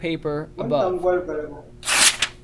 wuntaŋ goli valibu.